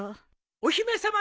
お姫さま